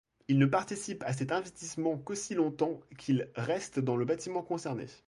Il ne participe à cet investissement qu'aussi longtemps qu'il reste dans le bâtiment concerné.